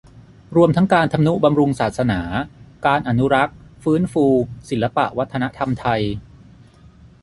รวมทั้งการทำนุบำรุงศาสนา การอนุรักษ์ ฟื้นฟู ศิลปวัฒนธรรมไทย